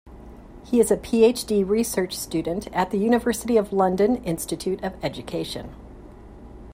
He is a PhD research student at the University of London Institute of Education.